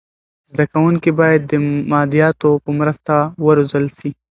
زده کونکي باید د مادیاتو په مرسته و روزل سي.